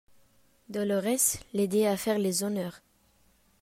Dolorès l'aidait à faire les honneurs.